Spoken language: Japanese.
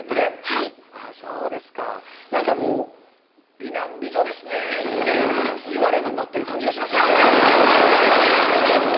はいそうですかなんかもう「美男美女ですね」って言われるの待ってる感じがしますよねありがとうございます